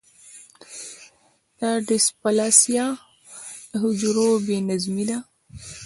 د ډیسپلاسیا د حجرو بې نظمي ده.